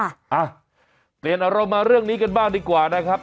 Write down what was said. อ่ะเปลี่ยนอารมณ์มาเรื่องนี้กันบ้างดีกว่านะครับ